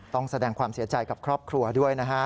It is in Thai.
ต้องแสดงความเสียใจกับครอบครัวด้วยนะฮะ